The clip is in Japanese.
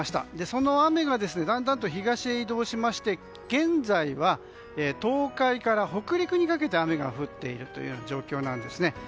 その雨がだんだんと東へ移動しまして現在は、東海から北陸にかけて雨が降っている状況です。